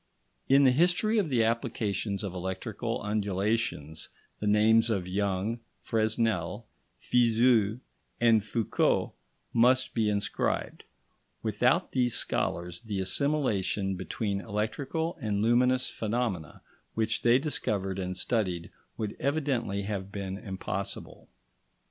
In the history of the applications of electrical undulations, the names of Young, Fresnel, Fizeau, and Foucault must be inscribed; without these scholars, the assimilation between electrical and luminous phenomena which they discovered and studied would evidently have been impossible.